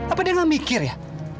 apa dia gak mikir ya